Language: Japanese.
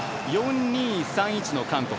４−２−３−１の韓国。